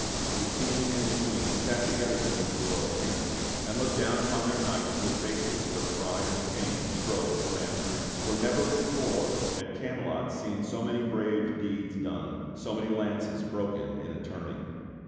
The King and the Queen sat together beneath the royal canopy, and looked down upon their knights with faces where pride and pain strove for mastery; for never before had Camelot seen so many brave deeds done, so many lances broken in a tourney.